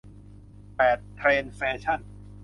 แปด เทรนด์แฟชั่น